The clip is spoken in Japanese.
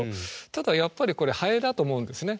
ただやっぱりこれハエだと思うんですね。